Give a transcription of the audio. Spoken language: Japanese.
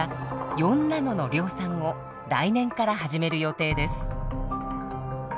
４ナノの量産を来年から始める予定です。